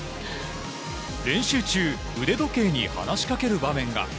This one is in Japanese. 練習中、腕時計に話しかける場面が。